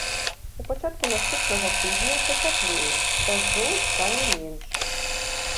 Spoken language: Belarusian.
У пачатку наступнага тыдня пацяплее, дажджоў стане менш.